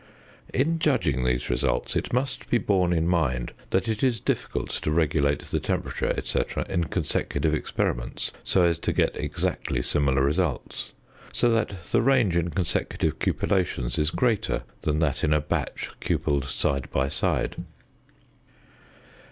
In judging these results, it must be borne in mind that it is difficult to regulate the temperature, &c., in consecutive experiments so as to get exactly similar results, so that the range in consecutive cupellations is greater than that in a batch cupelled side by side.